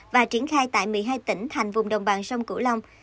và triển khai tại một mươi hai tỉnh thành vùng đồng bằng sông cửu long